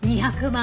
２００万